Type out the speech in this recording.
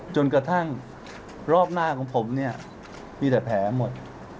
จนกระทั่งรอบหน้าของผมเนี่ยมีแต่แผลหมด